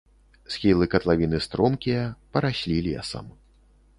Схілы катлавіны стромкія, параслі лесам.